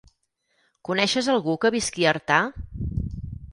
Coneixes algú que visqui a Artà?